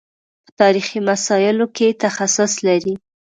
په تاریخي مسایلو کې تخصص لري.